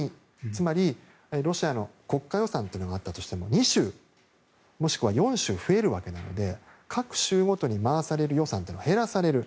つまり、ロシアの国家予算が２州、もしくは４州増えるわけなので各州ごとに回される予算が減らされる。